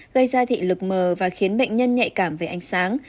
gây ra thị lực mờ và khiến bệnh nhân nhạy cảm về ánh sáng